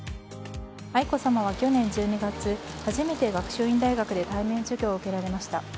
愛子さまは去年１２月初めて学習院大学で対面授業を受けられました。